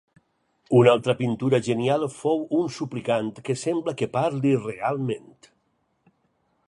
Una altra pintura genial fou un suplicant que sembla que parli realment.